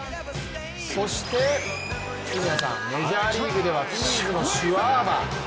そして、メジャーリーグではフィリーズのシュワーバー。